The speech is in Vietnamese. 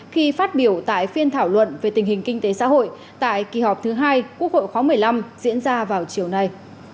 khi phát biểu tại phiên thảo luận về tình hình kinh tế xã hội tại kỳ họp thứ hai quốc hội khóa một mươi năm diễn ra vào chiều nay